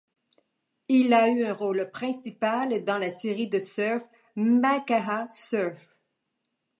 Il a eu un rôle principal dans la série de surf Makaha Surf.